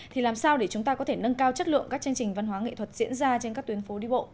thì làm sao để chúng ta có thể nâng cao chất lượng các chương trình văn hóa nghệ thuật diễn ra trên các tuyến phố đi bộ